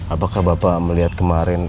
apakah bapak melihat kemarin